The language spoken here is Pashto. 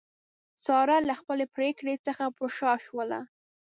ساره له خپلې پرېکړې څخه په شا شوله.